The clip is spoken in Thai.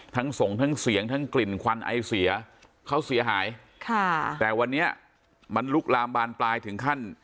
ส่งทั้งเสียงทั้งกลิ่นควันไอเสียเขาเสียหายค่ะแต่วันนี้มันลุกลามบานปลายถึงขั้น